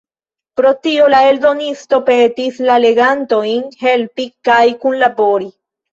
Pro tio la eldonisto petis la legantojn helpi kaj kunlabori.